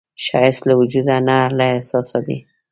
ښایست له وجوده نه، له احساسه دی